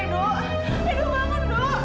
ido bangun dulu